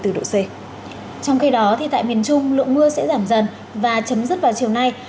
trong khi đó tại miền trung lượng mưa sẽ giảm dần và chấm dứt vào chiều nay